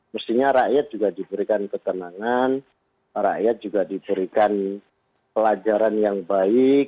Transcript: mestinya rakyat juga diberikan ketenangan rakyat juga diberikan pelajaran yang baik